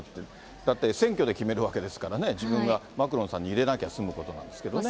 だって選挙で決めるわけですからね、自分がマクロンさんに入れなきゃ済むことなんですけどね。